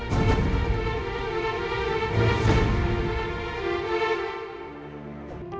terima kasih anies